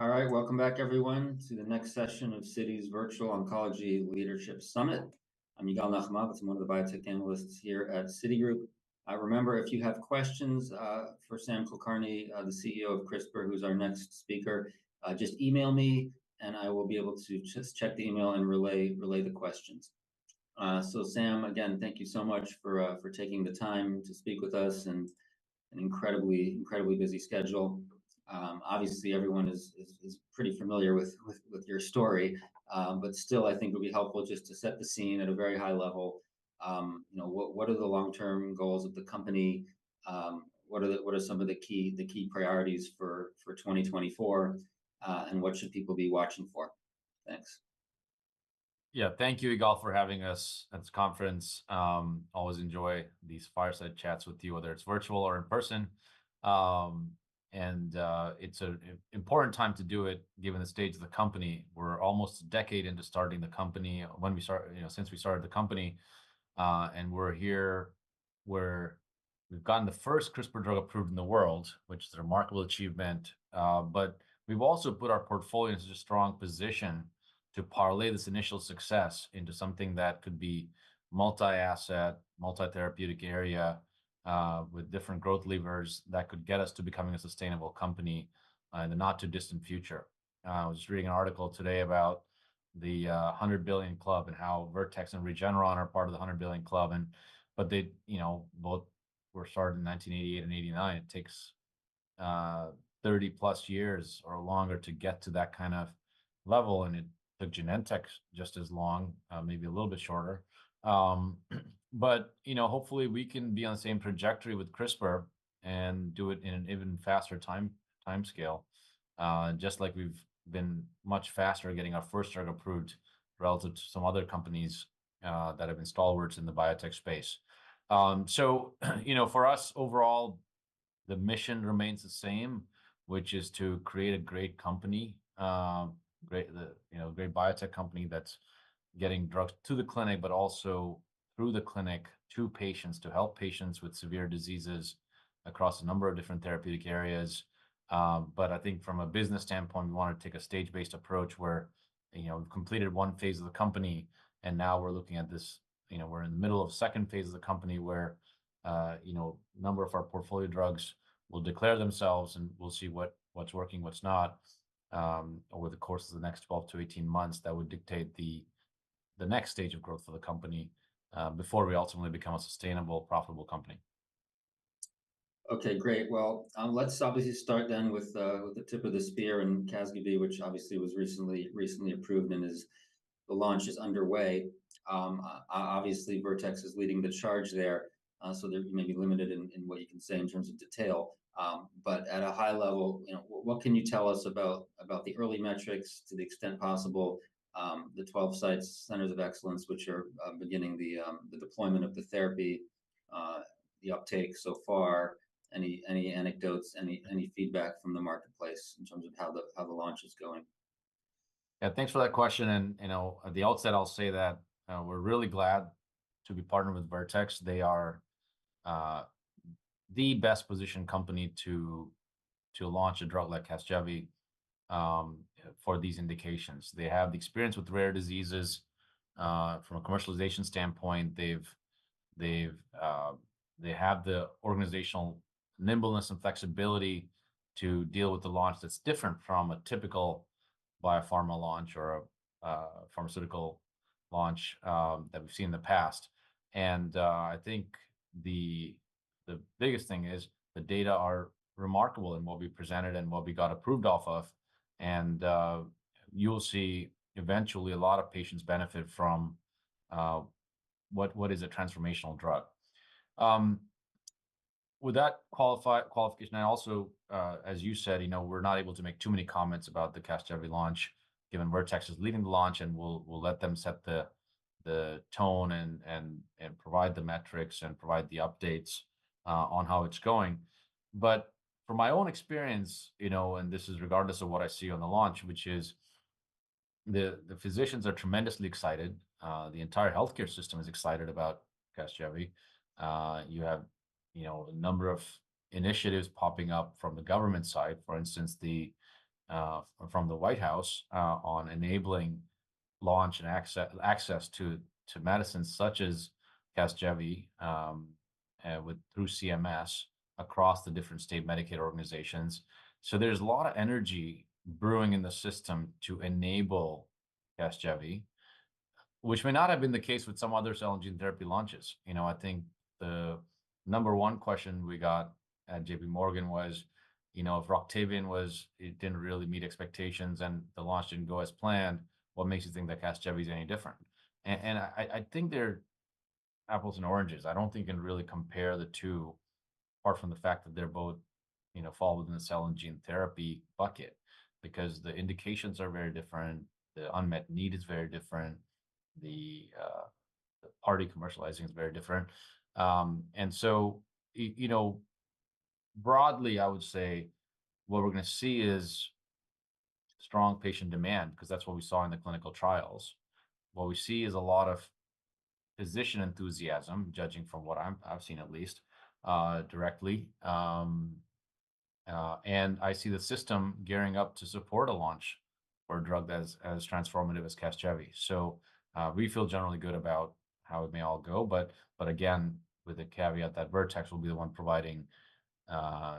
All right, welcome back, everyone, to the next session of Citi's Virtual Oncology Leadership Summit. I'm Yigal Nochomovitz, one of the biotech analysts here at Citigroup. Remember, if you have questions for Sam Kulkarni, the CEO of CRISPR, who's our next speaker, just email me and I will be able to just check the email and relay, relay the questions. So Sam, again, thank you so much for, for taking the time to speak with us in an incredibly, incredibly busy schedule. Obviously everyone is, is, is pretty familiar with, with, with your story, but still I think it'll be helpful just to set the scene at a very high level. You know, what, what are the long-term goals of the company? What are the what are some of the key, the key priorities for, for 2024, and what should people be watching for? Thanks. Yeah, thank you, Yigal, for having us at this conference. Always enjoy these fireside chats with you, whether it's virtual or in person. It's an important time to do it given the stage of the company. We're almost a decade into starting the company when we started, you know, since we started the company, and we're here where we've gotten the first CRISPR drug approved in the world, which is a remarkable achievement. But we've also put our portfolio into a strong position to parlay this initial success into something that could be multi-asset, multi-therapeutic area, with different growth levers that could get us to becoming a sustainable company, in the not-too-distant future. I was just reading an article today about the 100 Billion Club and how Vertex and Regeneron are part of the 100 Billion Club, and but they, you know, both were started in 1988 and 1989. It takes 30+ years or longer to get to that kind of level, and it took Genentech just as long, maybe a little bit shorter. But you know, hopefully we can be on the same trajectory with CRISPR and do it in an even faster time timescale, just like we've been much faster getting our first drug approved relative to some other companies that are stalwarts in the biotech space. So you know, for us overall, the mission remains the same, which is to create a great company, you know, great biotech company that's getting drugs to the clinic, but also through the clinic to patients to help patients with severe diseases across a number of different therapeutic areas. I think from a business standpoint, we want to take a stage-based approach where, you know, we've completed one phase of the company, and now we're looking at this, you know, we're in the middle of the second phase of the company where, you know, a number of our portfolio drugs will declare themselves and we'll see what, what's working, what's not, over the course of the next 12-18 months that would dictate the next stage of growth for the company, before we ultimately become a sustainable, profitable company. Okay, great. Well, let's obviously start then with the tip of the spear in Casgevy, which obviously was recently approved and the launch is underway. Obviously Vertex is leading the charge there, so they're maybe limited in what you can say in terms of detail. But at a high level, you know, what can you tell us about the early metrics to the extent possible, the 12 sites centers of excellence, which are beginning the deployment of the therapy, the uptake so far, any anecdotes, any feedback from the marketplace in terms of how the launch is going? Yeah, thanks for that question. You know, at the outset I'll say that, we're really glad to be partnering with Vertex. They are the best positioned company to launch a drug like Casgevy for these indications. They have the experience with rare diseases from a commercialization standpoint. They've they have the organizational nimbleness and flexibility to deal with the launch that's different from a typical biopharma launch or a pharmaceutical launch that we've seen in the past. I think the biggest thing is the data are remarkable in what we presented and what we got approved off of. You'll see eventually a lot of patients benefit from what is a transformational drug. With that qualification, I also, as you said, you know, we're not able to make too many comments about the CASGEVY launch given Vertex is leading the launch and we'll let them set the tone and provide the metrics and provide the updates on how it's going. But from my own experience, you know, and this is regardless of what I see on the launch, which is the physicians are tremendously excited. The entire healthcare system is excited about CASGEVY. You have, you know, a number of initiatives popping up from the government side, for instance, from the White House, on enabling launch and access to medicines such as CASGEVY through CMS across the different state Medicaid organizations. So there's a lot of energy brewing in the system to enable CASGEVY, which may not have been the case with some other cell and gene therapy launches. You know, I think the number one question we got at JP Morgan was, you know, if Roctavian was, it didn't really meet expectations and the launch didn't go as planned, what makes you think that CASGEVY's any different? And I think they're apples and oranges. I don't think you can really compare the two, apart from the fact that they're both, you know, fall within the cell and gene therapy bucket because the indications are very different, the unmet need is very different, the party commercializing is very different. And so, you know, broadly I would say what we're gonna see is strong patient demand 'cause that's what we saw in the clinical trials. What we see is a lot of physician enthusiasm, judging from what I've seen at least, directly. And I see the system gearing up to support a launch for a drug that's transformative as Casgevy. So, we feel generally good about how it may all go, but again, with the caveat that Vertex will be the one providing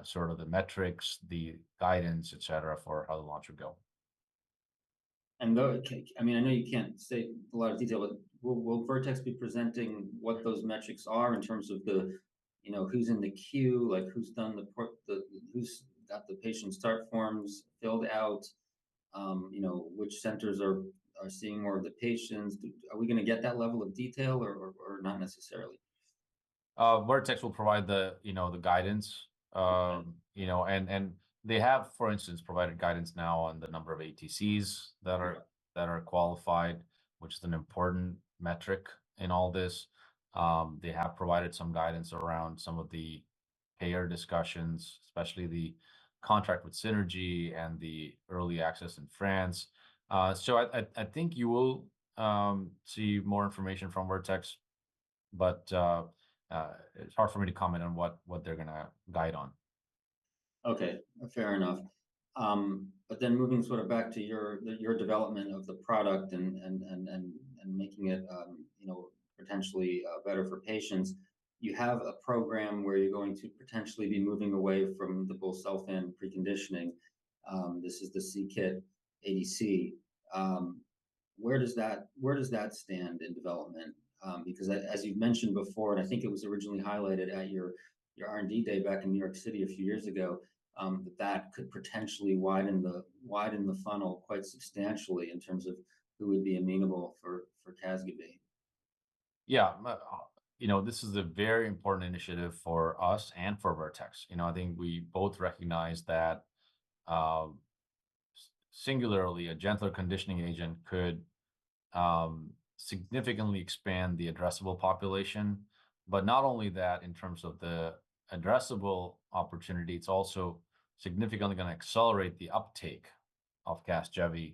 sort of the metrics, the guidance, et cetera, for how the launch would go. Though, I mean, I know you can't say a lot of detail, but will Vertex be presenting what those metrics are in terms of the, you know, who's in the queue, like who's done the port, who's got the patient start forms filled out, you know, which centers are seeing more of the patients? Do we gonna get that level of detail or not necessarily? Vertex will provide the, you know, the guidance, you know, and they have, for instance, provided guidance now on the number of ATCs that are qualified, which is an important metric in all this. They have provided some guidance around some of the payer discussions, especially the contract with Cigna and the early access in France. So I think you will see more information from Vertex, but it's hard for me to comment on what they're gonna guide on. Okay, fair enough. But then moving sort of back to your development of the product and making it, you know, potentially better for patients, you have a program where you're going to potentially be moving away from the busulfan preconditioning. This is the c-Kit ADC. Where does that stand in development? Because I, as you've mentioned before, and I think it was originally highlighted at your R&D day back in New York City a few years ago, that that could potentially widen the funnel quite substantially in terms of who would be amenable for Casgevy. Yeah, you know, this is a very important initiative for us and for Vertex. You know, I think we both recognize that, singularly a gentler conditioning agent could significantly expand the addressable population. But not only that, in terms of the addressable opportunity, it's also significantly gonna accelerate the uptake of Casgevy,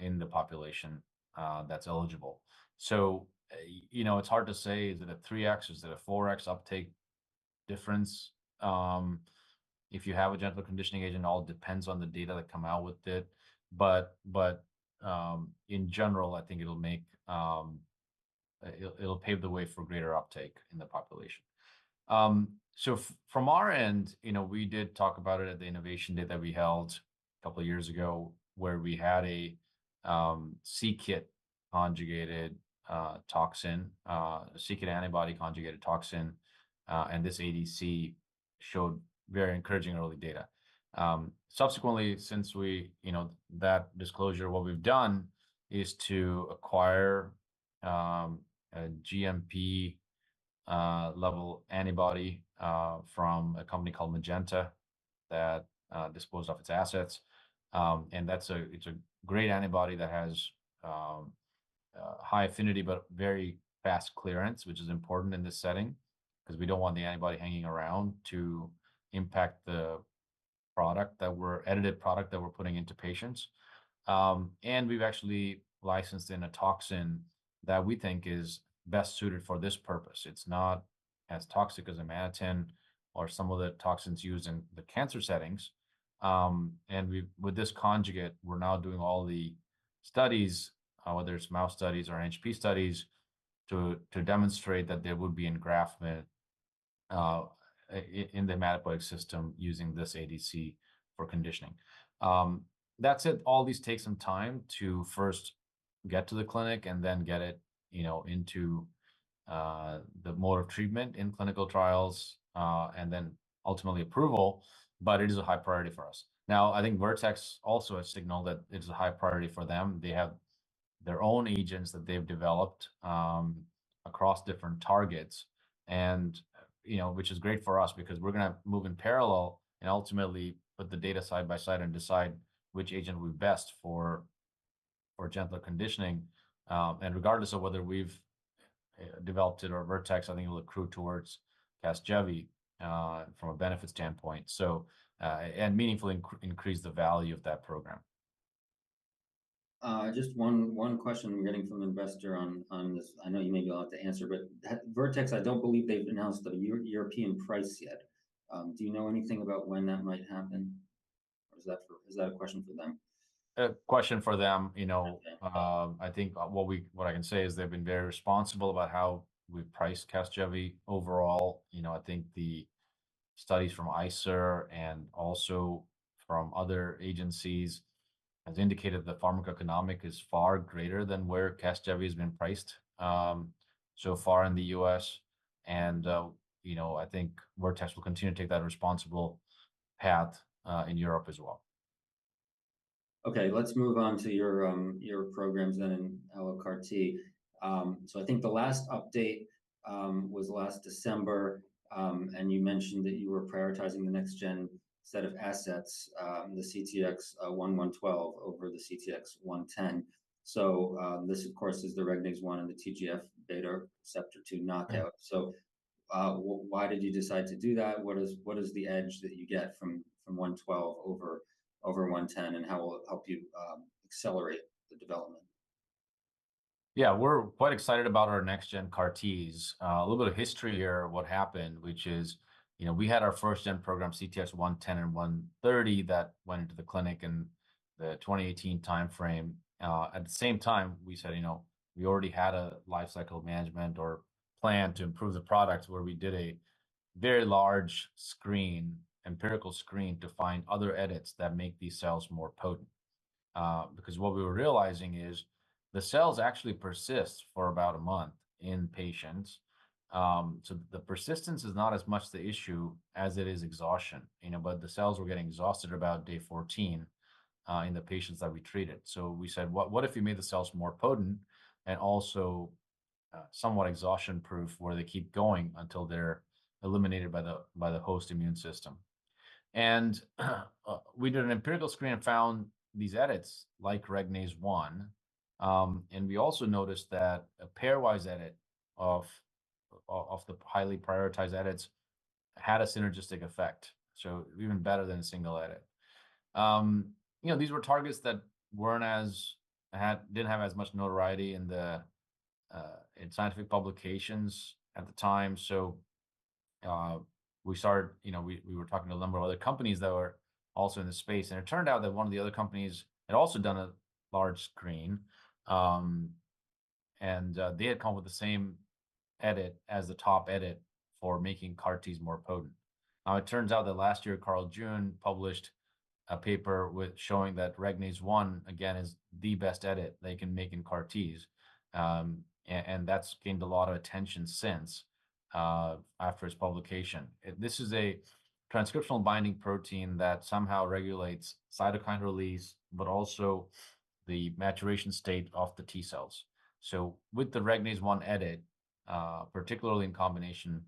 in the population that's eligible. So, you know, it's hard to say, is it a 3x, is it a 4x uptake difference? If you have a gentler conditioning agent, all depends on the data that come out with it. But, but, in general, I think it'll make, it'll, it'll pave the way for greater uptake in the population. So from our end, you know, we did talk about it at the innovation day that we held a couple of years ago where we had a CKIT-conjugated toxin, CKIT antibody-conjugated toxin, and this ADC showed very encouraging early data. Subsequently, since we, you know, that disclosure, what we've done is to acquire a GMP-level antibody from a company called Magenta that disposed of its assets. And that's a—it's a great antibody that has high affinity but very fast clearance, which is important in this setting 'cause we don't want the antibody hanging around to impact the product that we're—edited product that we're putting into patients. And we've actually licensed in a toxin that we think is best suited for this purpose. It's not as toxic as a maytansine or some of the toxins used in the cancer settings. And we, with this conjugate, we're now doing all the studies, whether it's mouse studies or NHP studies, to demonstrate that there would be engraftment in the hematopoietic system using this ADC for conditioning. That's it. All these take some time to first get to the clinic and then get it, you know, into the mode of treatment in clinical trials, and then ultimately approval. But it is a high priority for us. Now, I think Vertex also has signaled that it's a high priority for them. They have their own agents that they've developed, across different targets and, you know, which is great for us because we're gonna move in parallel and ultimately put the data side by side and decide which agent we best for, for gentler conditioning. And regardless of whether we've developed it or Vertex, I think it'll accrue towards CASGEVY, from a benefit standpoint. meaningfully increase the value of that program. Just one question I'm getting from an investor on this. I know you may be allowed to answer, but Vertex, I don't believe they've announced a European price yet. Do you know anything about when that might happen or is that a question for them? A question for them, you know, I think what we, what I can say is they've been very responsible about how we've priced CASGEVY overall. You know, I think the studies from ICER and also from other agencies has indicated the pharmacoeconomic is far greater than where CASGEVY has been priced, so far in the U.S. You know, I think Vertex will continue to take that responsible path, in Europe as well. Okay, let's move on to your, your programs then in allogeneic CAR T. So I think the last update was last December, and you mentioned that you were prioritizing the next gen set of assets, the CTX112 over the CTX110. So, this of course is the Regnase-1 and the TGF-beta receptor 2 knockout. So, why did you decide to do that? What is, what is the edge that you get from, from 112 over, over 110 and how will it help you accelerate the development? Yeah, we're quite excited about our next-gen CAR Ts. A little bit of history here, what happened, which is, you know, we had our first-gen program CTX110 and CTX130 that went into the clinic in the 2018 timeframe. At the same time, we said, you know, we already had a lifecycle management or plan to improve the products where we did a very large screen, empirical screen to find other edits that make these cells more potent. Because what we were realizing is the cells actually persist for about a month in patients. So the persistence is not as much the issue as it is exhaustion, you know, but the cells were getting exhausted about day 14, in the patients that we treated. So we said, what, what if we made the cells more potent and also, somewhat exhaustion proof where they keep going until they're eliminated by the, by the host immune system? And, we did an empirical screen and found these edits like Regnase-1. And we also noticed that a pairwise edit of, of, of the highly prioritized edits had a synergistic effect. So even better than a single edit. You know, these were targets that weren't as, had, didn't have as much notoriety in the, in scientific publications at the time. So, we started, you know, we, we were talking to a number of other companies that were also in the space and it turned out that one of the other companies had also done a large screen. And, they had come up with the same edit as the top edit for making CAR T's more potent. Now it turns out that last year Carl June published a paper showing that Regnase-1 again is the best edit they can make in CAR T's. And that's gained a lot of attention since after its publication. This is a transcriptional binding protein that somehow regulates cytokine release, but also the maturation state of the T cells. So with the Regnase-1 edit, particularly in combination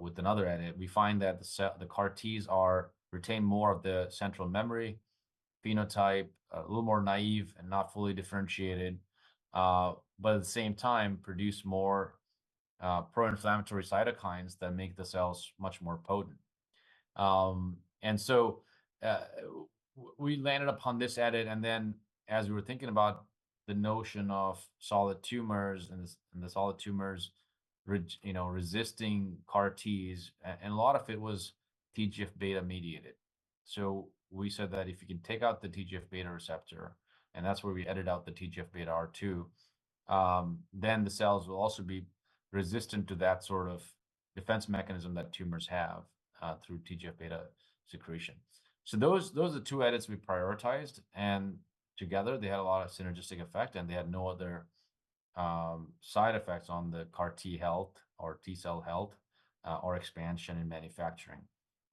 with another edit, we find that the cells, the CAR T's retain more of the central memory phenotype, a little more naive and not fully differentiated, but at the same time produce more pro-inflammatory cytokines that make the cells much more potent. And so we landed upon this edit. And then as we were thinking about the notion of solid tumors and the solid tumors, you know, resisting CAR T's, and a lot of it was TGF-beta mediated. So we said that if you can take out the TGF-beta receptor, and that's where we edited out the TGFBR2, then the cells will also be resistant to that sort of defense mechanism that tumors have, through TGF-beta secretion. So those are the two edits we prioritized. And together they had a lot of synergistic effect and they had no other side effects on the CAR T's health or T cell health, or expansion in manufacturing.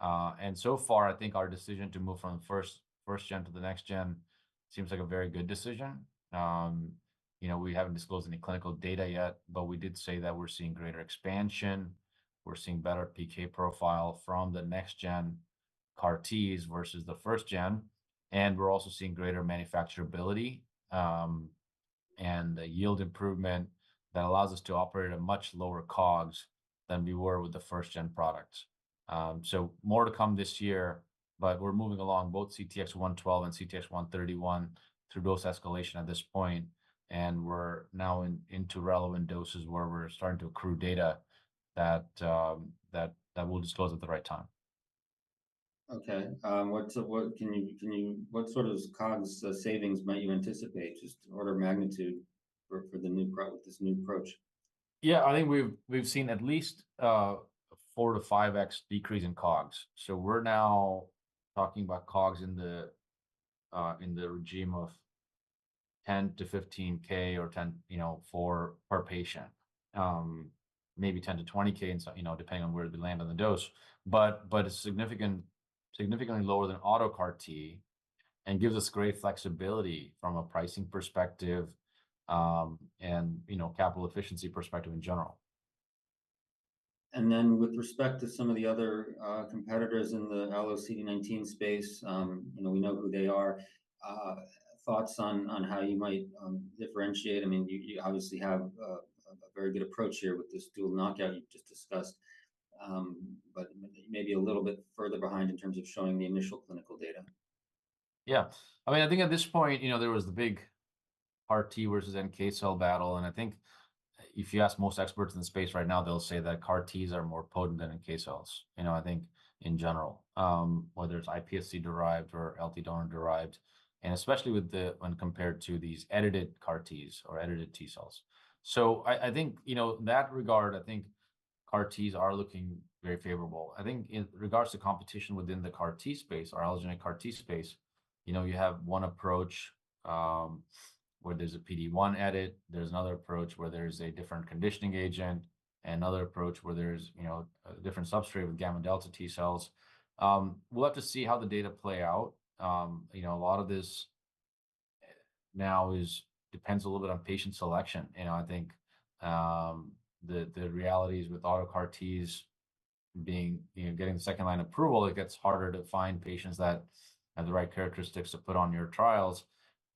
And so far I think our decision to move from the first-gen to the next-gen seems like a very good decision. You know, we haven't disclosed any clinical data yet, but we did say that we're seeing greater expansion, we're seeing better PK profile from the next-gen CAR T's versus the first-gen, and we're also seeing greater manufacturability, and the yield improvement that allows us to operate at a much lower COGS than we were with the first-gen products. So more to come this year, but we're moving along both CTX112 and CTX131 through dose escalation at this point. We're now into relevant doses where we're starting to accrue data that we'll disclose at the right time. Okay. What sort of COGS savings might you anticipate just in order of magnitude for the new pro with this new approach? Yeah, I think we've seen at least 4-5x decrease in COGS. So we're now talking about COGS in the regime of $10K-$15K or $10K, you know, $40K per patient, maybe $10K-$20K and so, you know, depending on where we land on the dose. But it's significantly lower than autologous CAR Ts and gives us great flexibility from a pricing perspective, and, you know, capital efficiency perspective in general. And then with respect to some of the other competitors in the allo CD19 space, you know, we know who they are. Thoughts on, on how you might differentiate? I mean, you, you obviously have a very good approach here with this dual knockout you just discussed, but maybe a little bit further behind in terms of showing the initial clinical data. Yeah, I mean, I think at this point, you know, there was the big CAR T versus NK cell battle. And I think if you ask most experts in the space right now, they'll say that CAR T are more potent than NK cells, you know, I think in general, whether it's IPSC derived or LT donor derived, and especially with the, when compared to these edited CAR T or edited T cells. So I, I think, you know, in that regard, I think CAR T are looking very favorable. I think in regards to competition within the CAR T space or allogeneic CAR T space, you know, you have one approach, where there's a PD-1 edit, there's another approach where there's a different conditioning agent, another approach where there's, you know, a different substrate with gamma delta T cells. We'll have to see how the data play out. You know, a lot of this now is depends a little bit on patient selection. You know, I think, the realities with auto CAR Ts being, you know, getting the second line approval, it gets harder to find patients that have the right characteristics to put on your trials.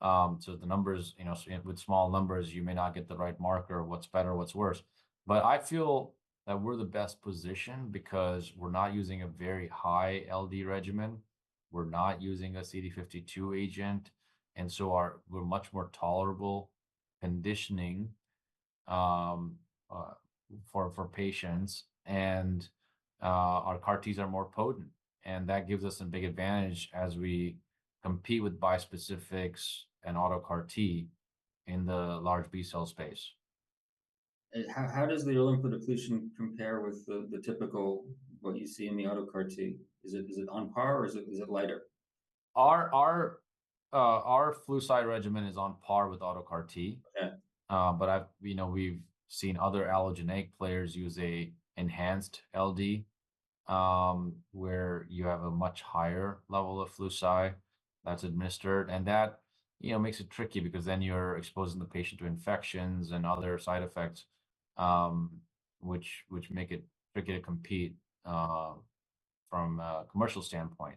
So the numbers, you know, with small numbers, you may not get the right marker of what's better, what's worse. But I feel that we're the best position because we're not using a very high LD regimen. We're not using a CD52 agent. And so our, we're much more tolerable conditioning, for patients. And, our CAR Ts are more potent. And that gives us a big advantage as we compete with bispecifics and auto CAR Ts in the large B cell space. How does the yield input occlusion compare with the typical what you see in the autologous CAR T's? Is it on par or is it lighter? Our Flu-Cy regimen is on par with auto CAR Ts. Okay. But I've, you know, we've seen other allogeneic players use an enhanced LD, where you have a much higher level of Flu that's administered. And that, you know, makes it tricky because then you're exposing the patient to infections and other side effects, which make it tricky to compete, from a commercial standpoint.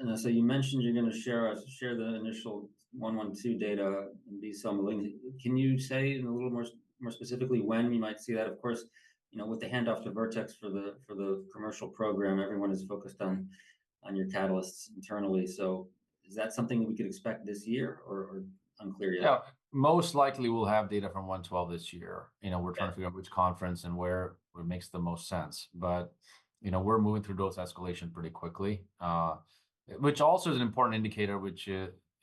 And so you mentioned you're gonna share the initial CTX112 data and B-cell malignancy. Can you say a little more specifically when you might see that? Of course, you know, with the handoff to Vertex for the commercial program, everyone is focused on your catalysts internally. So is that something that we could expect this year or unclear yet? Yeah, most likely we'll have data from 112 this year. You know, we're trying to figure out which conference and where it makes the most sense. But, you know, we're moving through dose escalation pretty quickly, which also is an important indicator, which,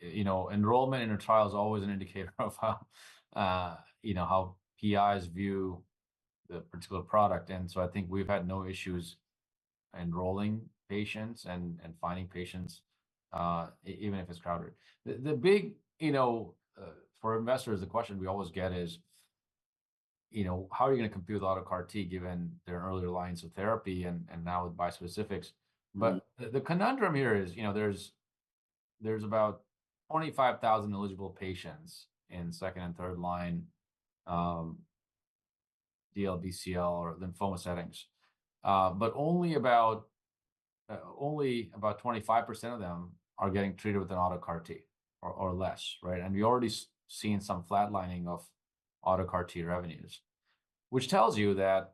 you know, enrollment in our trial is always an indicator of how, you know, how PIs view the particular product. And so I think we've had no issues enrolling patients and, and finding patients, even if it's crowded. The, the big, you know, for investors, the question we always get is, you know, how are you gonna compete with autologous CAR Ts given their earlier lines of therapy and, and now with bispecifics? But the conundrum here is, you know, there's, there's about 25,000 eligible patients in second and third line, DLBCL or lymphoma settings. But only about, only about 25% of them are getting treated with an autologous CAR T or less, right? And we already seen some flatlining of autologous CAR T revenues, which tells you that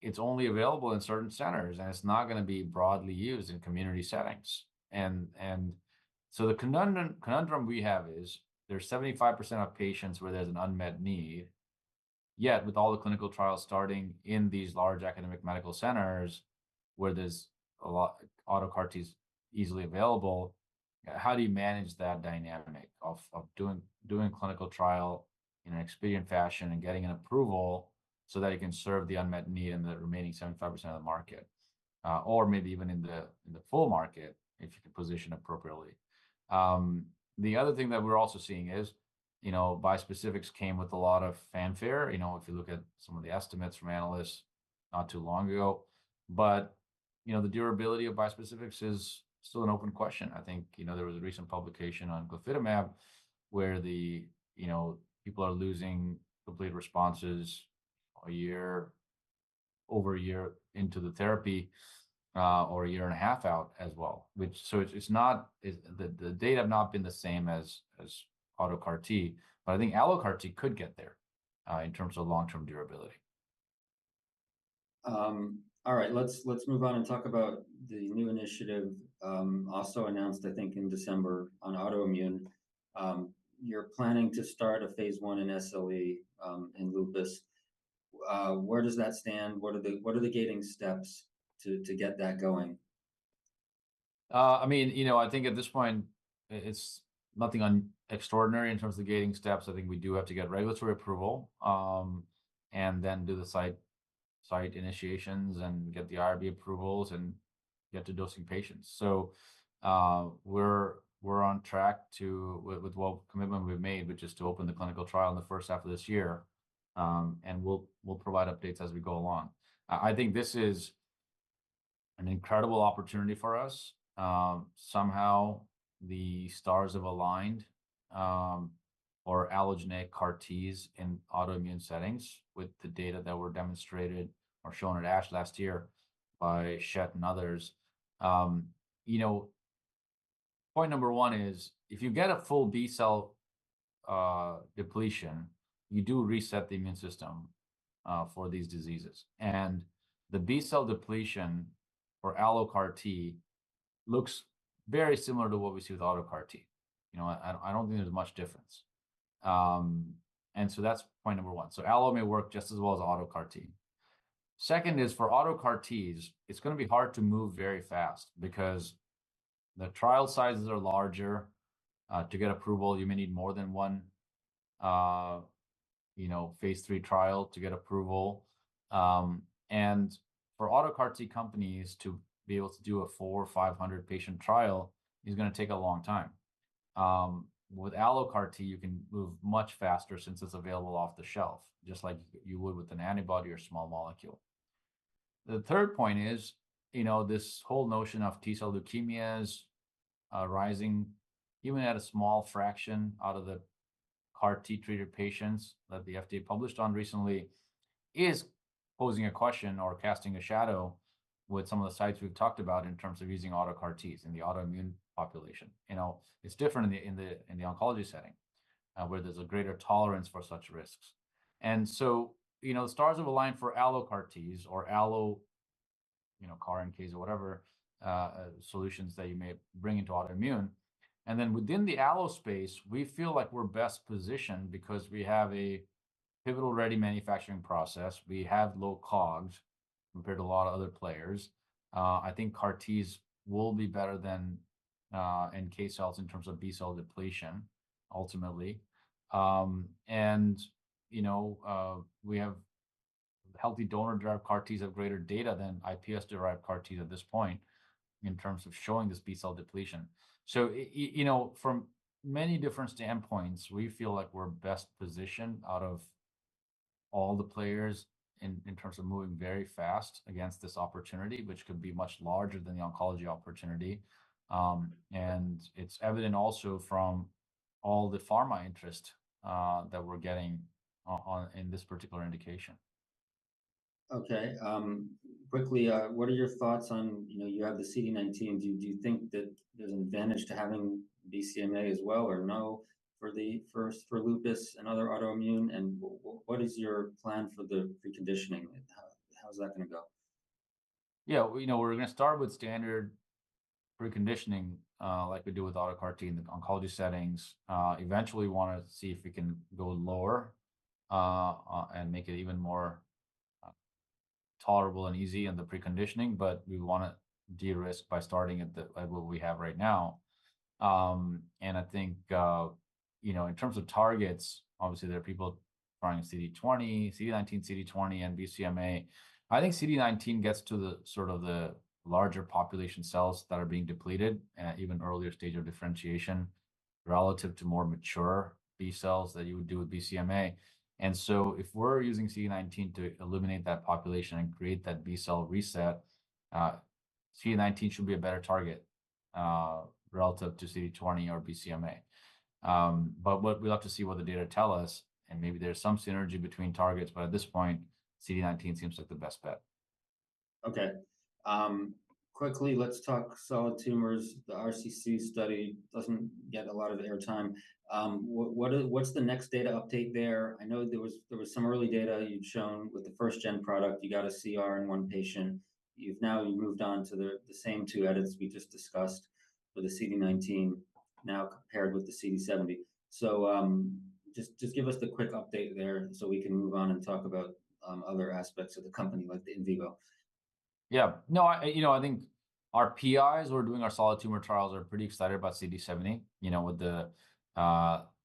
it's only available in certain centers and it's not gonna be broadly used in community settings. And so the conundrum we have is there's 75% of patients where there's an unmet need. Yet with all the clinical trials starting in these large academic medical centers where there's a lot of autologous CAR T easily available, how do you manage that dynamic of doing clinical trial in an expedient fashion and getting an approval so that you can serve the unmet need in the remaining 75% of the market, or maybe even in the full market if you can position appropriately? The other thing that we're also seeing is, you know, bispecifics came with a lot of fanfare. You know, if you look at some of the estimates from analysts not too long ago, but, you know, the durability of bispecifics is still an open question. I think, you know, there was a recent publication on Glofitamab where the, you know, people are losing complete responses a year, over a year into the therapy, or a year and a half out as well, which, so it's, it's not, it's the, the data have not been the same as auto CAR T's, but I think allo CAR T's could get there, in terms of long-term durability. All right, let's move on and talk about the new initiative, also announced, I think, in December on autoimmune. You're planning to start a phase one in SLE, in lupus. Where does that stand? What are the gating steps to get that going? I mean, you know, I think at this point it's nothing extraordinary in terms of the gating steps. I think we do have to get regulatory approval, and then do the site initiations and get the IRB approvals and get to dosing patients. So, we're on track to with what commitment we've made, which is to open the clinical trial in the first half of this year. And we'll provide updates as we go along. I think this is an incredible opportunity for us. Somehow the stars have aligned for allogeneic CAR T in autoimmune settings with the data that were demonstrated or shown at ASH last year by Schett and others. You know, point number one is if you get a full B cell depletion, you do reset the immune system for these diseases. The B cell depletion for Allo CAR Ts looks very similar to what we see with auto CAR Ts. You know, I don't think there's much difference. That's point number one. So Allo may work just as well as auto CAR Ts. Second is for auto CAR Ts, it's gonna be hard to move very fast because the trial sizes are larger. To get approval, you may need more than one, you know, phase three trial to get approval. And for auto CAR Ts companies to be able to do a 400 or 500 patient trial is gonna take a long time. With Allo CAR Ts, you can move much faster since it's available off the shelf, just like you would with an antibody or a small molecule. The third point is, you know, this whole notion of T-cell leukemias, rising even at a small fraction out of the CAR-Ts treated patients that the FDA published on recently is posing a question or casting a shadow with some of the sites we've talked about in terms of using auto CAR-Ts in the autoimmune population. You know, it's different in the oncology setting, where there's a greater tolerance for such risks. And so, you know, the stars have aligned for allo CAR-Ts or allo, you know, CAR-NKs or whatever, solutions that you may bring into autoimmune. And then within the allo space, we feel like we're best positioned because we have a pivotal ready manufacturing process. We have low COGS compared to a lot of other players. I think CAR-Ts will be better than NK cells in terms of B-cell depletion ultimately. You know, we have healthy donor-derived CAR Ts have greater data than iPS-derived CAR Ts at this point in terms of showing this B-cell depletion. So, you know, from many different standpoints, we feel like we're best positioned out of all the players in terms of moving very fast against this opportunity, which could be much larger than the oncology opportunity. And it's evident also from all the pharma interest that we're getting on in this particular indication. Okay. Quickly, what are your thoughts on, you know, you have the CD19. Do you think that there's an advantage to having BCMA as well or no for the first, for lupus and other autoimmune? And what is your plan for the preconditioning? How's that gonna go? Yeah, you know, we're gonna start with standard preconditioning, like we do with auto CAR T's in the oncology settings. Eventually we wanna see if we can go lower, and make it even more tolerable and easy in the preconditioning. But we wanna de-risk by starting at the, at what we have right now. I think, you know, in terms of targets, obviously there are people trying CD20, CD19, CD20, and BCMA. I think CD19 gets to the sort of the larger population cells that are being depleted at even earlier stage of differentiation relative to more mature B cells that you would do with BCMA. And so if we're using CD19 to eliminate that population and create that B-cell reset, CD19 should be a better target, relative to CD20 or BCMA. But we'll have to see what the data tell us. Maybe there's some synergy between targets, but at this point, CD19 seems like the best bet. Okay. Quickly, let's talk solid tumors. The RCC study doesn't get a lot of airtime. What's the next data update there? I know there was some early data you'd shown with the first gen product. You got a CR in one patient. You've now moved on to the same two edits we just discussed for the CD19 now compared with the CD70. So, just give us the quick update there so we can move on and talk about other aspects of the company like the in vivo. Yeah, no, you know, I think our PIs who are doing our solid tumor trials are pretty excited about CD70, you know, with the,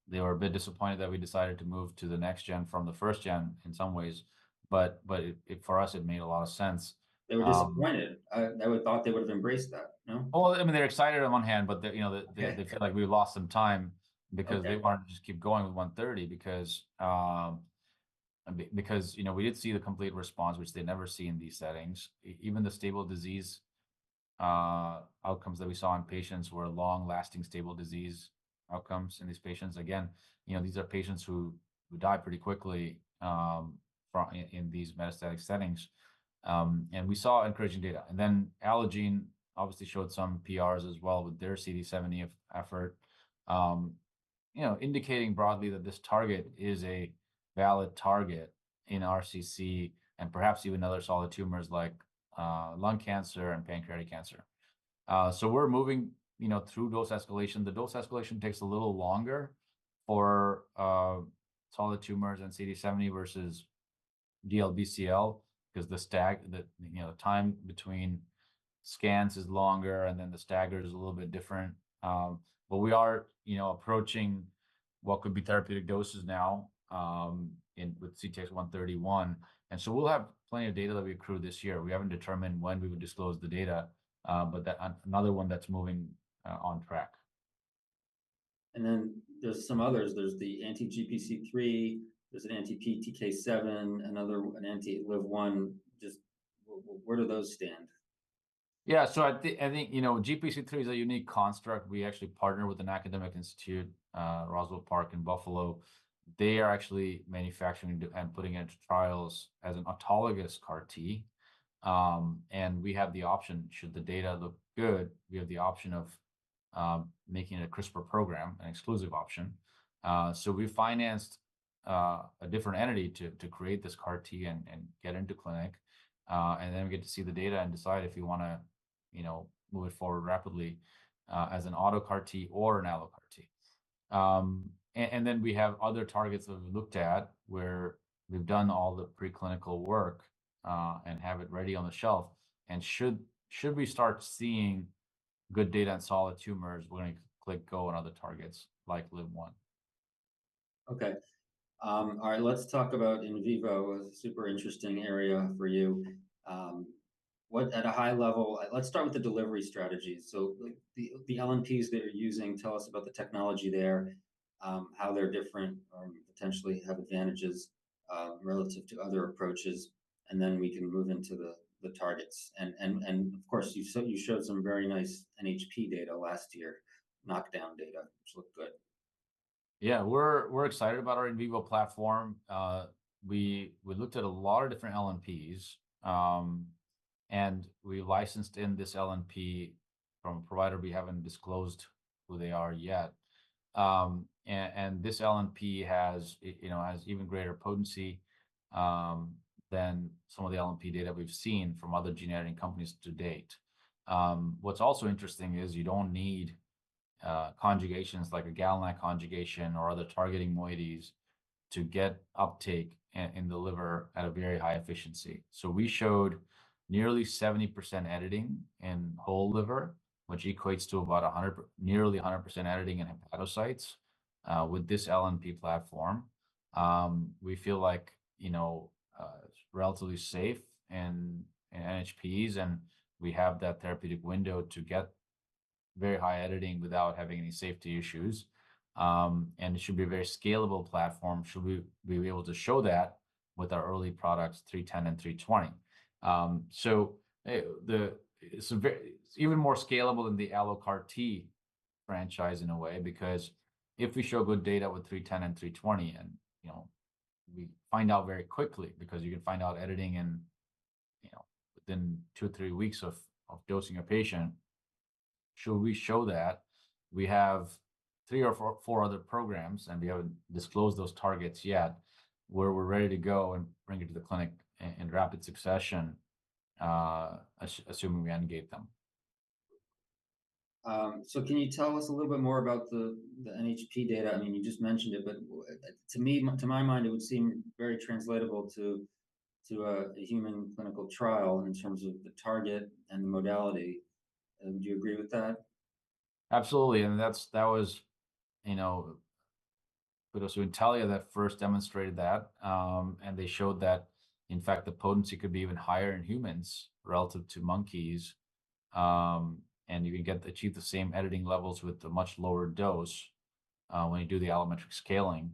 they were a bit disappointed that we decided to move to the next gen from the first gen in some ways. But it for us, it made a lot of sense. They were disappointed. I would thought they would've embraced that, you know? Well, I mean, they're excited on one hand, but they, you know, feel like we've lost some time because they wanted to just keep going with 130 because, you know, we did see the complete response, which they'd never see in these settings. Even the stable disease outcomes that we saw in patients were long-lasting stable disease outcomes in these patients. Again, you know, these are patients who die pretty quickly from in these metastatic settings, and we saw encouraging data. Then Allogene obviously showed some PRs as well with their CD70 effort, you know, indicating broadly that this target is a valid target in RCC and perhaps even other solid tumors like lung cancer and pancreatic cancer. So we're moving, you know, through dose escalation. The dose escalation takes a little longer for solid tumors and CD70 versus DLBCL 'cause the stagger, you know, the time between scans is longer and then the stagger is a little bit different. But we are, you know, approaching what could be therapeutic doses now in CTX131. And so we'll have plenty of data that we accrue this year. We haven't determined when we would disclose the data, but that's another one that's moving on track. And then there's some others. There's the anti-GPC3. There's an anti-PTK7, another, an anti-LIV-1. Just where, where do those stand? Yeah, so I think, I think, you know, GPC3 is a unique construct. We actually partner with an academic institute, Roswell Park in Buffalo. They are actually manufacturing and putting it into trials as an autologous CAR T. And we have the option, should the data look good, we have the option of making it a CRISPR program, an exclusive option. So we financed a different entity to create this CAR T and get into clinic. And then we get to see the data and decide if we wanna, you know, move it forward rapidly, as an auto CAR T or an allo CAR T. And then we have other targets that we've looked at where we've done all the preclinical work, and have it ready on the shelf. And should we start seeing good data on solid tumors, we're gonna click go on other targets like LIV-1. Okay. All right, let's talk about in vivo. It was a super interesting area for you. What, at a high level, let's start with the delivery strategies. So like the LNPs that you're using, tell us about the technology there, how they're different or potentially have advantages, relative to other approaches. And then we can move into the targets. And of course, you showed some very nice NHP data last year, knockdown data, which looked good. Yeah, we're excited about our in vivo platform. We looked at a lot of different LNPs, and we licensed in this LNP from a provider we haven't disclosed who they are yet. And this LNP has, you know, even greater potency than some of the LNP data we've seen from other gene editing companies to date. What's also interesting is you don't need conjugations like a GalNAc conjugation or other targeting moieties to get uptake in the liver at a very high efficiency. So we showed nearly 70% editing in whole liver, which equates to about 100, nearly 100% editing in hepatocytes, with this LNP platform. We feel like, you know, it's relatively safe in NHPs, and we have that therapeutic window to get very high editing without having any safety issues. And it should be a very scalable platform. Should we be able to show that with our early products, 310 and 320? So, it's even more scalable than the allogeneic CAR T franchise in a way because if we show good data with 310 and 320 and, you know, we find out very quickly because you can find out editing in, you know, within two or three weeks of dosing a patient. Should we show that we have three or four other programs and we haven't disclosed those targets yet where we're ready to go and bring it to the clinic in rapid succession, assuming we ungate them. So, can you tell us a little bit more about the NHP data? I mean, you just mentioned it, but to me, to my mind, it would seem very translatable to a human clinical trial in terms of the target and the modality. Would you agree with that? Absolutely. And that's, that was, you know, Intellia that first demonstrated that. And they showed that, in fact, the potency could be even higher in humans relative to monkeys. And you can achieve the same editing levels with a much lower dose, when you do the allometric scaling,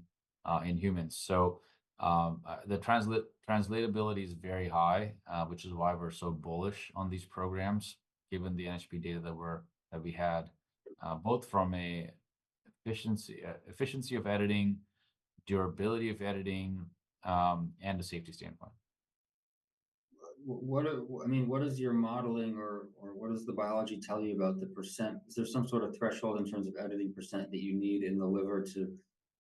in humans. So, the translatability is very high, which is why we're so bullish on these programs given the NHP data that we had, both from an efficiency of editing, durability of editing, and a safety standpoint. What are, I mean, what does your modeling or what does the biology tell you about the percent? Is there some sort of threshold in terms of editing percent that you need in the liver to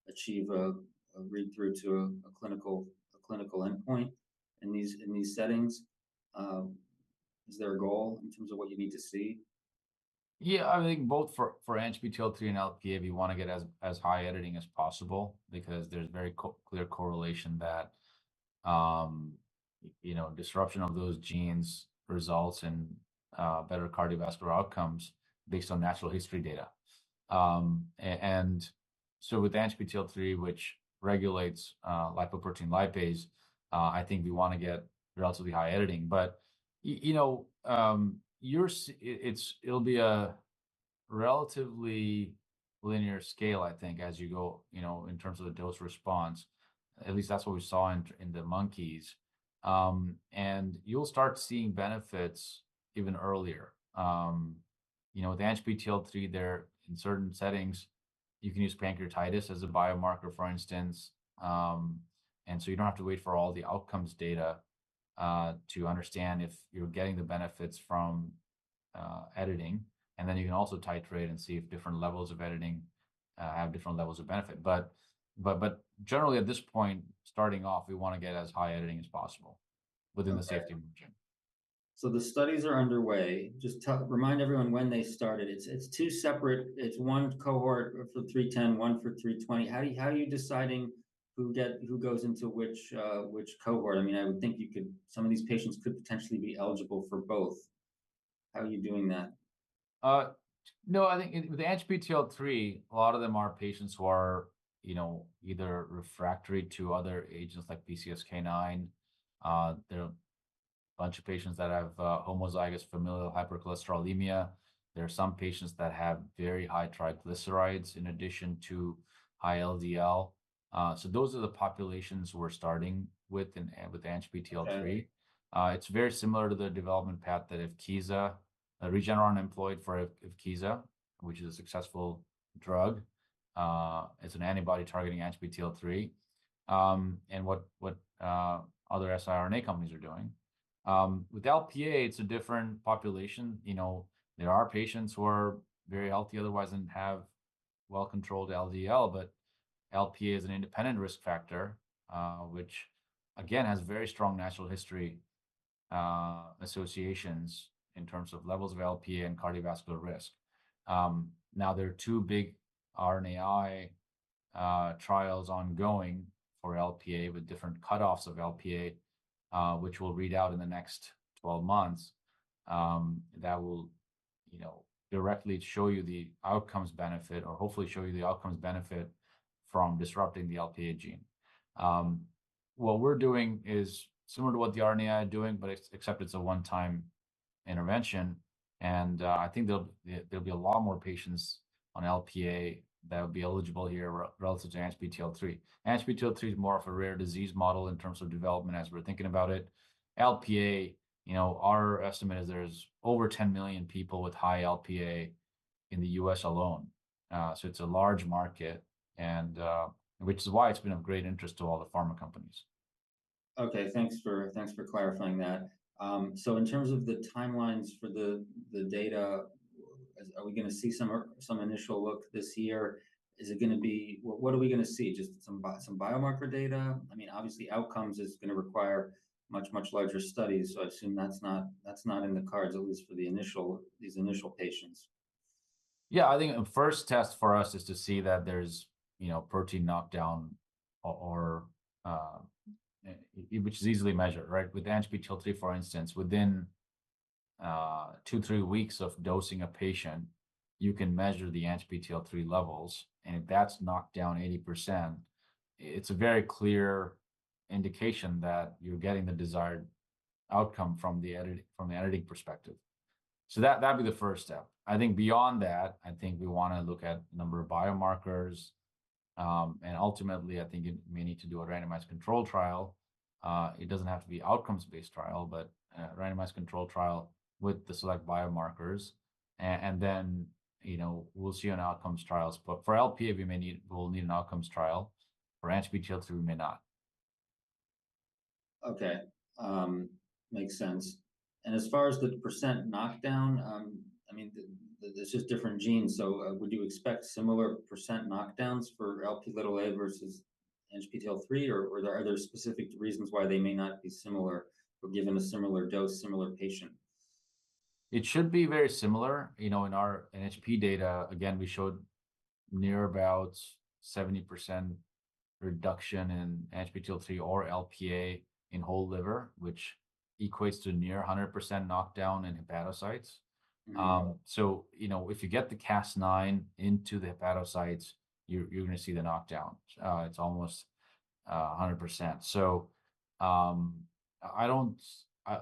achieve a read-through to a clinical endpoint in these settings? Is there a goal in terms of what you need to see? Yeah, I think both for ANGPTL3 and LPA, we wanna get as high editing as possible because there's very clear correlation that, you know, disruption of those genes results in better cardiovascular outcomes based on natural history data. So with ANGPTL3, which regulates lipoprotein lipase, I think we wanna get relatively high editing. But you know, it's a relatively linear scale, I think, as you go, you know, in terms of the dose response, at least that's what we saw in the monkeys. And you'll start seeing benefits even earlier. You know, with ANGPTL3, there in certain settings, you can use pancreatitis as a biomarker, for instance. And so you don't have to wait for all the outcomes data to understand if you're getting the benefits from editing. And then you can also titrate and see if different levels of editing have different levels of benefit. But generally at this point, starting off, we wanna get as high editing as possible within the safety margin. So the studies are underway. Just remind everyone when they started. It's two separate; it's one cohort for 310, one for 320. How are you deciding who goes into which cohort? I mean, I would think you could; some of these patients could potentially be eligible for both. How are you doing that? No, I think with the ANGPTL3, a lot of them are patients who are, you know, either refractory to other agents like PCSK9. There are a bunch of patients that have homozygous familial hypercholesterolemia. There are some patients that have very high triglycerides in addition to high LDL. So those are the populations we're starting with in, with ANGPTL3. It's very similar to the development path that Evkeeza, Regeneron employed for Evkeeza, which is a successful drug. It's an antibody targeting ANGPTL3. And what, what, other siRNA companies are doing. With Lp(a), it's a different population. You know, there are patients who are very healthy otherwise and have well-controlled LDL, but Lp(a) is an independent risk factor, which again has very strong natural history associations in terms of levels of Lp(a) and cardiovascular risk. Now, there are two big RNAi trials ongoing for LPA with different cutoffs of LPA, which will read out in the next 12 months. That will, you know, directly show you the outcomes benefit or hopefully show you the outcomes benefit from disrupting the LPA gene. What we're doing is similar to what the RNAi are doing, but it's, except it's a one-time intervention. And, I think there'll be, there'll be a lot more patients on LPA that'll be eligible here relative to ANGPTL3. ANGPTL3's more of a rare disease model in terms of development as we're thinking about it. LPA, you know, our estimate is there's over 10 million people with high LPA in the U.S. alone. So it's a large market and, which is why it's been of great interest to all the pharma companies. Okay, thanks for, thanks for clarifying that. So in terms of the timelines for the, the data, are we gonna see some, some initial look this year? Is it gonna be, what, what are we gonna see? Just some, some biomarker data? I mean, obviously outcomes is gonna require much, much larger studies. So I assume that's not, that's not in the cards, at least for the initial, these initial patients. Yeah, I think a first test for us is to see that there's, you know, protein knockdown or, which is easily measured, right? With ANGPTL3, for instance, within two to three weeks of dosing a patient, you can measure the ANGPTL3 levels. And if that's knocked down 80%, it's a very clear indication that you're getting the desired outcome from the edit, from the editing perspective. So that, that'd be the first step. I think beyond that, I think we wanna look at a number of biomarkers. Ultimately, I think it may need to do a randomized control trial. It doesn't have to be outcomes-based trial, but a randomized control trial with the select biomarkers. And then, you know, we'll see on outcomes trials. But for LPA, we may need, we'll need an outcomes trial. For ANGPTL3, we may not. Okay. Makes sense. And as far as the % knockdown, I mean, it's just different genes. So, would you expect similar % knockdowns for Lp(a) versus NHP ANGPTL3, or are there other specific reasons why they may not be similar or given a similar dose, similar patient? It should be very similar. You know, in our NHP data, again, we showed near about 70% reduction in NHP ANGPTL3 or Lp(a) in whole liver, which equates to near 100% knockdown in hepatocytes. So, you know, if you get the Cas9 into the hepatocytes, you're gonna see the knockdown. It's almost 100%. So, I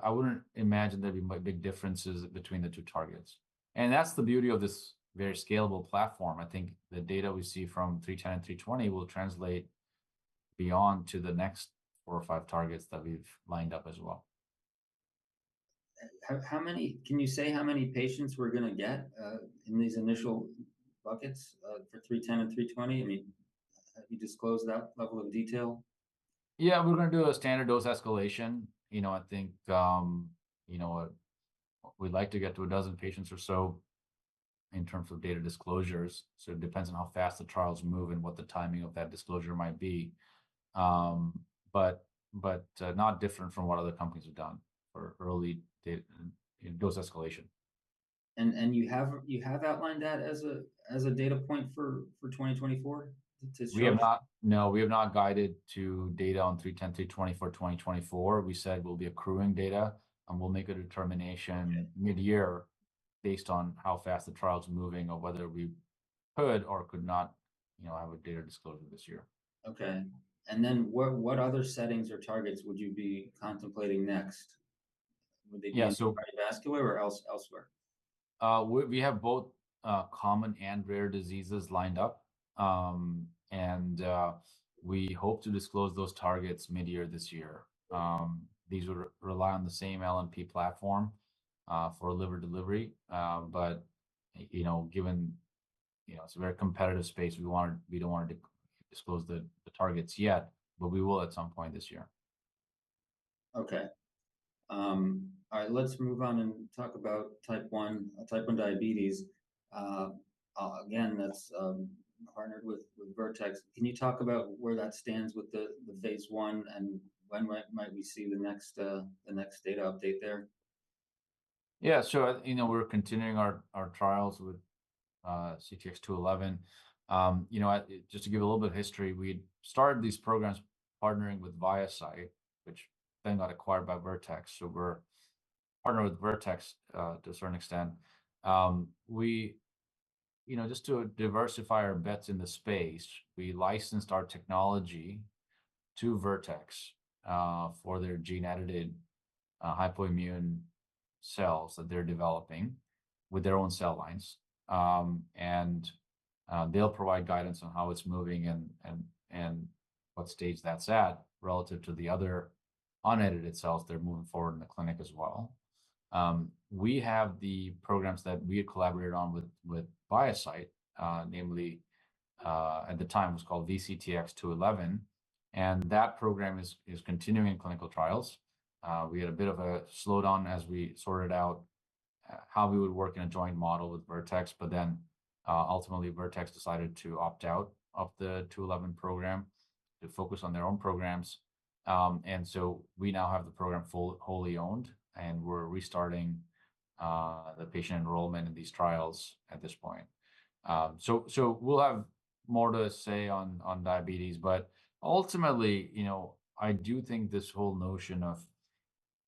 wouldn't imagine there'd be much big differences between the two targets. And that's the beauty of this very scalable platform. I think the data we see from 310 and 320 will translate beyond to the next four or five targets that we've lined up as well. How many can you say how many patients we're gonna get in these initial buckets for 310 and 320? I mean, have you disclosed that level of detail? Yeah, we're gonna do a standard dose escalation. You know, I think, you know, we'd like to get to a dozen patients or so in terms of data disclosures. So it depends on how fast the trials move and what the timing of that disclosure might be. But, not different from what other companies have done for early data, you know, dose escalation. You have outlined that as a data point for 2024 to show? We have not, no, we have not guided to data on 310, 320 for 2024. We said we'll be accruing data and we'll make a determination mid-year based on how fast the trial's moving or whether we could or could not, you know, have a data disclosure this year. Okay. And then what other settings or targets would you be contemplating next? Would they be cardiovascular or elsewhere? We have both common and rare diseases lined up. We hope to disclose those targets mid-year this year. These would rely on the same LNP platform for liver delivery. But you know, given you know, it's a very competitive space, we wanna, we don't wanna disclose the targets yet, but we will at some point this year. Okay. All right, let's move on and talk about type 1, type 1 diabetes. Again, that's partnered with Vertex. Can you talk about where that stands with the phase 1 and when might we see the next data update there? Yeah, so, you know, we're continuing our trials with CTX211. You know, I just to give a little bit of history, we started these programs partnering with ViaCyte, which then got acquired by Vertex. So we're partnering with Vertex, to a certain extent. We, you know, just to diversify our bets in the space, we licensed our technology to Vertex, for their gene-edited, hypoimmune cells that they're developing with their own cell lines. And they'll provide guidance on how it's moving and what stage that's at relative to the other unedited cells they're moving forward in the clinic as well. We have the programs that we had collaborated on with ViaCyte, namely, at the time was called VCTX211. And that program is continuing in clinical trials. We had a bit of a slowdown as we sorted out how we would work in a joint model with Vertex, but then, ultimately Vertex decided to opt out of the 211 program to focus on their own programs. And so we now have the program fully, wholly owned and we're restarting the patient enrollment in these trials at this point. So we'll have more to say on diabetes, but ultimately, you know, I do think this whole notion of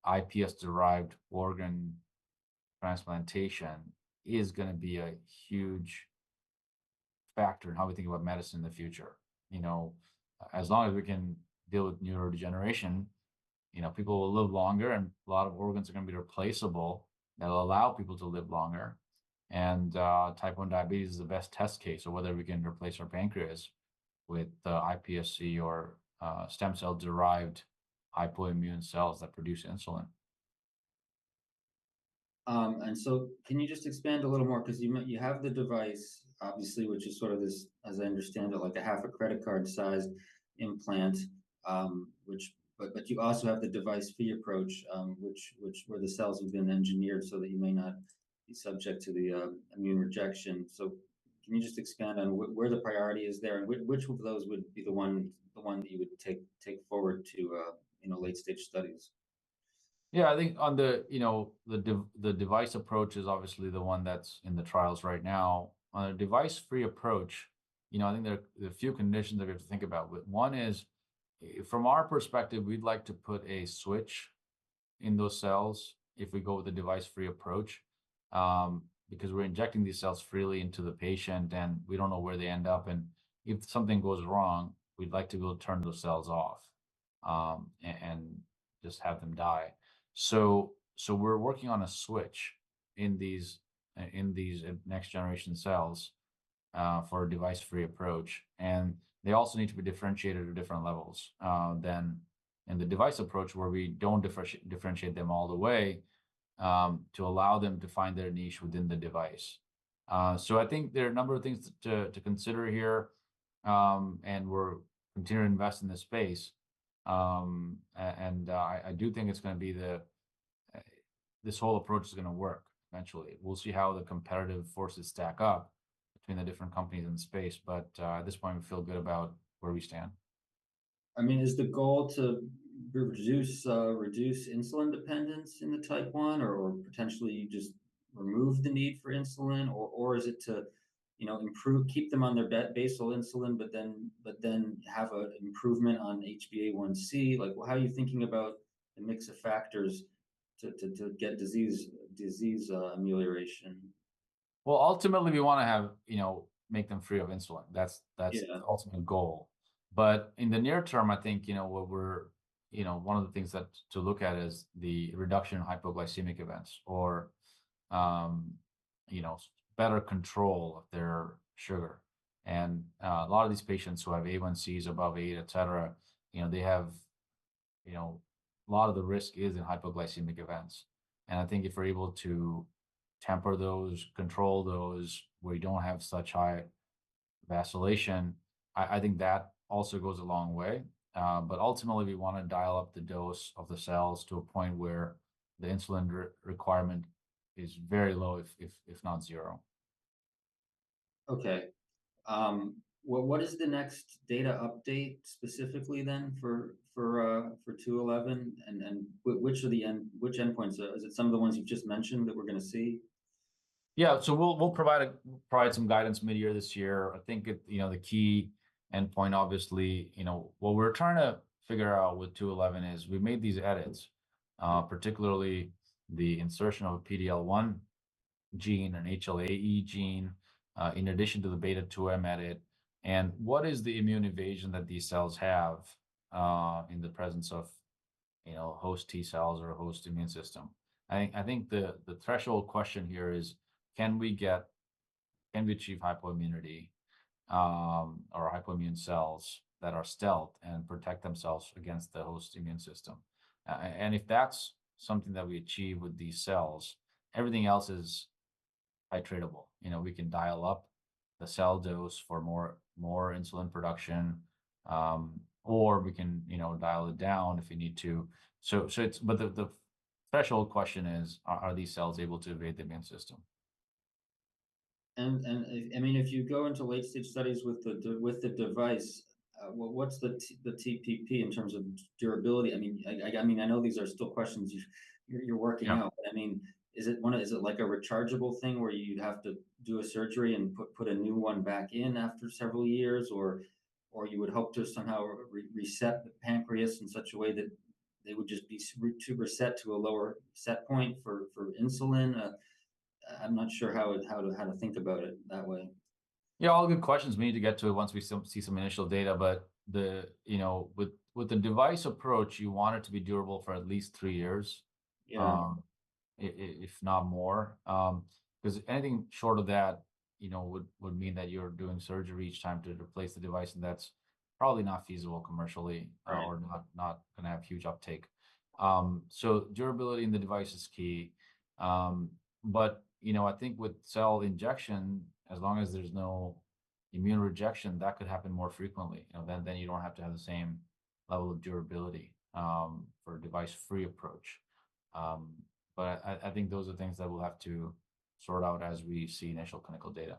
IPS-derived organ transplantation is gonna be a huge factor in how we think about medicine in the future. You know, as long as we can deal with neurodegeneration, you know, people will live longer and a lot of organs are gonna be replaceable that'll allow people to live longer. Type 1 diabetes is the best test case of whether we can replace our pancreas with iPSC or stem cell-derived hypoimmune cells that produce insulin. So can you just expand a little more? 'Cause you might, you have the device, obviously, which is sort of this, as I understand it, like a half a credit card size implant, which, but you also have the device-free approach, which where the cells have been engineered so that you may not be subject to the immune rejection. So can you just expand on what, where the priority is there and which of those would be the one that you would take forward to, you know, late stage studies? Yeah, I think on the, you know, the device approach is obviously the one that's in the trials right now. On a device-free approach, you know, I think there are a few conditions that we have to think about. One is from our perspective, we'd like to put a switch in those cells if we go with the device-free approach, because we're injecting these cells freely into the patient and we don't know where they end up. And if something goes wrong, we'd like to be able to turn those cells off, and just have them die. So we're working on a switch in these next generation cells, for a device-free approach. They also need to be differentiated at different levels than in the device approach where we don't differentiate them all the way to allow them to find their niche within the device. I think there are a number of things to consider here, and we're continuing to invest in this space. I do think this whole approach is gonna work eventually. We'll see how the competitive forces stack up between the different companies in the space. But at this point, we feel good about where we stand. I mean, is the goal to reduce insulin dependence in the type 1 or potentially just remove the need for insulin? Or is it to, you know, improve, keep them on their basal insulin, but then have an improvement on HbA1c? Like, how are you thinking about the mix of factors to get disease amelioration? Well, ultimately we wanna have, you know, make them free of insulin. That's, that's the ultimate goal. But in the near term, I think, you know, what we're, you know, one of the things that to look at is the reduction in hypoglycemic events or, you know, better control of their sugar. And, a lot of these patients who have A1c's above eight, et cetera, you know, they have, you know, a lot of the risk is in hypoglycemic events. And I think if we're able to temper those, control those where you don't have such high vacillation, I, I think that also goes a long way. But ultimately we wanna dial up the dose of the cells to a point where the insulin requirement is very low, if, if, if not zero. Okay. What is the next data update specifically then for 211? And which endpoints? Is it some of the ones you've just mentioned that we're gonna see? Yeah, so we'll provide some guidance mid-year this year. I think, you know, the key endpoint, obviously, you know, what we're trying to figure out with 211 is we made these edits, particularly the insertion of a PD-L1 gene and HLA-E gene, in addition to the beta-2M edit. And what is the immune evasion that these cells have, in the presence of, you know, host T cells or host immune system? I think the threshold question here is, can we achieve hypoimmunity, or hypoimmune cells that are stealth and protect themselves against the host immune system? And if that's something that we achieve with these cells, everything else is titratable. You know, we can dial up the cell dose for more insulin production, or we can, you know, dial it down if we need to. So, it's but the threshold question is, are these cells able to evade the immune system? I mean, if you go into late stage studies with the device, what's the TPP in terms of durability? I mean, I know these are still questions you're working out, but I mean, is it like a rechargeable thing where you'd have to do a surgery and put a new one back in after several years or you would hope to somehow reset the pancreas in such a way that they would just be reset to a lower set point for insulin? I'm not sure how to think about it that way. Yeah, all good questions. We need to get to it once we see some initial data. But the, you know, with, with the device approach, you want it to be durable for at least three years. Yeah. If not more. 'Cause anything short of that, you know, would mean that you're doing surgery each time to replace the device and that's probably not feasible commercially or not gonna have huge uptake. So durability in the device is key. But, you know, I think with cell injection, as long as there's no immune rejection, that could happen more frequently, you know, then you don't have to have the same level of durability for a device-free approach. But I think those are things that we'll have to sort out as we see initial clinical data.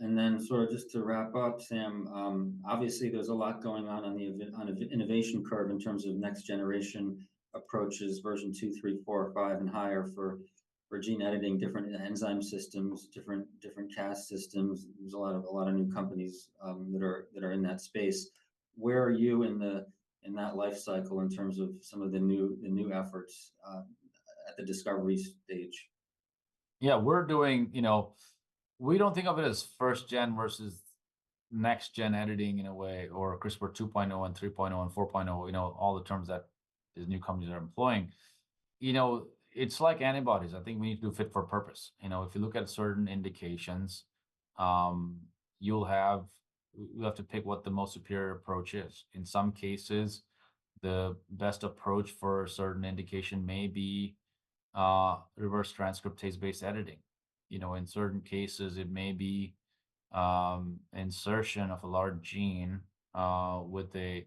And then sort of just to wrap up, Sam, obviously there's a lot going on on the innovation curve in terms of next generation approaches, version two, three, four, five, and higher for gene editing, different enzyme systems, different Cas systems. There's a lot of new companies that are in that space. Where are you in that life cycle in terms of some of the new efforts at the discovery stage? Yeah, we're doing, you know, we don't think of it as first gen versus next gen editing in a way or CRISPR 2.0 and 3.0 and 4.0, you know, all the terms that these new companies are employing. You know, it's like antibodies. I think we need to do fit for purpose. You know, if you look at certain indications, you'll have, we have to pick what the most superior approach is. In some cases, the best approach for a certain indication may be, reverse transcriptase-based editing. You know, in certain cases, it may be, insertion of a large gene, with a,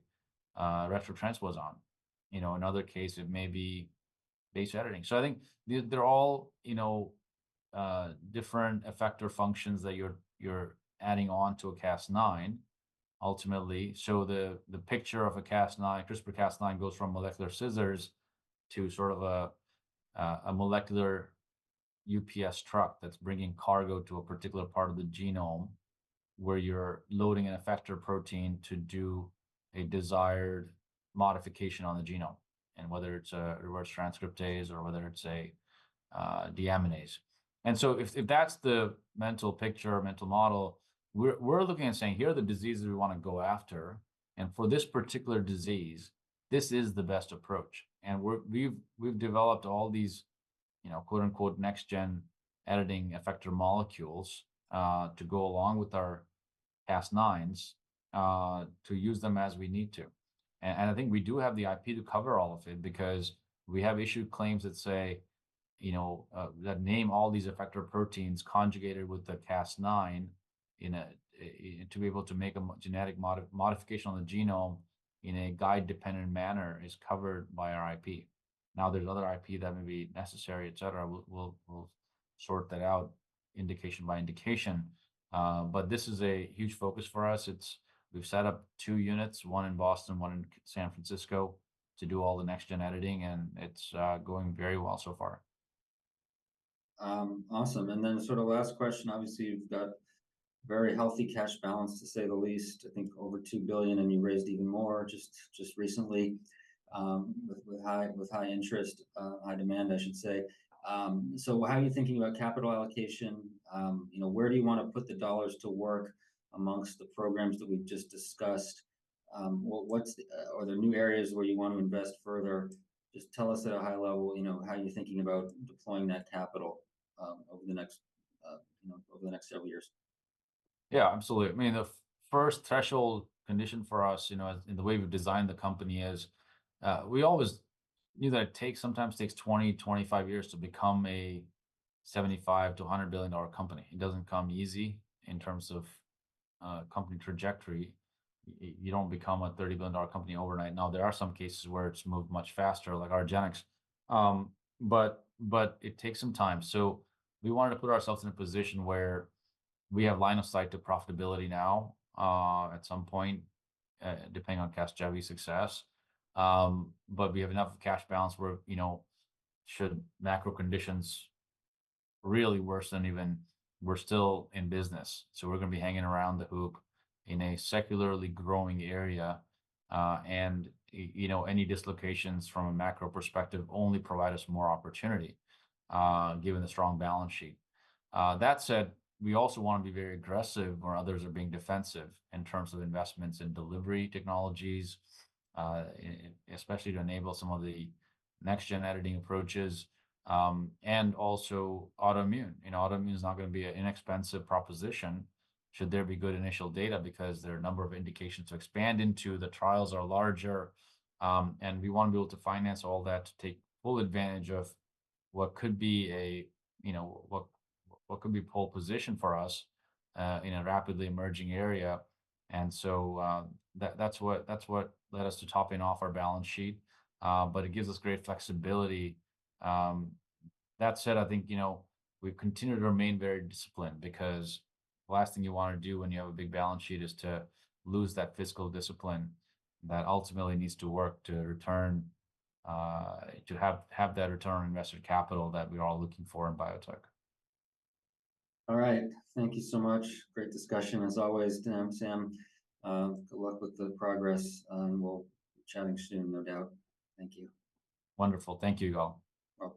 retrotransposon. You know, in other cases, it may be base editing. So I think these, they're all, you know, different effector functions that you're, you're adding onto a Cas9 ultimately. So the picture of a Cas9, CRISPR Cas9 goes from molecular scissors to sort of a molecular UPS truck that's bringing cargo to a particular part of the genome where you're loading an effector protein to do a desired modification on the genome. And whether it's a reverse transcriptase or whether it's a deaminase. And so if that's the mental picture or mental model, we're looking at saying, here are the diseases we wanna go after. And for this particular disease, this is the best approach. And we're, we've developed all these, you know, quote-unquote next gen editing effector molecules, to go along with our Cas9s, to use them as we need to. I think we do have the IP to cover all of it because we have issued claims that say, you know, that name all these effector proteins conjugated with the Cas9 in a, to be able to make a genetic modification on the genome in a guide-dependent manner is covered by our IP. Now there's other IP that may be necessary, et cetera. We'll sort that out indication by indication. But this is a huge focus for us. We've set up two units, one in Boston, one in San Francisco to do all the next gen editing. And it's going very well so far. Awesome. And then sort of last question, obviously you've got very healthy cash balance to say the least. I think over $2 billion and you raised even more just recently, with high interest, high demand I should say. So how are you thinking about capital allocation? You know, where do you wanna put the dollars to work amongst the programs that we've just discussed? What, what's the, are there new areas where you wanna invest further? Just tell us at a high level, you know, how you're thinking about deploying that capital, over the next, you know, over the next several years. Yeah, absolutely. I mean, the first threshold condition for us, you know, as in the way we've designed the company is, we always knew that it takes, sometimes takes 20-25 years to become a $75 billion-$100 billion company. It doesn't come easy in terms of company trajectory. You don't become a $30 billion company overnight. Now, there are some cases where it's moved much faster, like Argenx. But it takes some time. So we wanted to put ourselves in a position where we have line of sight to profitability now, at some point, depending on Casgevy success. But we have enough cash balance where, you know, should macro conditions really worsen even, we're still in business. So we're gonna be hanging around the hoop in a secularly growing area. And, you know, any dislocations from a macro perspective only provide us more opportunity, given the strong balance sheet. That said, we also wanna be very aggressive where others are being defensive in terms of investments in delivery technologies, especially to enable some of the next-gen editing approaches, and also autoimmune. You know, autoimmune's not gonna be an inexpensive proposition should there be good initial data because there are a number of indications to expand into. The trials are larger. And we wanna be able to finance all that to take full advantage of what could be a, you know, what, what could be a pole position for us, in a rapidly emerging area. And so, that, that's what, that's what led us to topping off our balance sheet. But it gives us great flexibility. That said, I think, you know, we continue to remain very disciplined because the last thing you wanna do when you have a big balance sheet is to lose that fiscal discipline that ultimately needs to work to return, to have that return on invested capital that we are all looking for in biotech. All right. Thank you so much. Great discussion as always, Dan, Sam. Good luck with the progress, and we'll be chatting soon, no doubt. Thank you. Wonderful. Thank you y'all. Welcome.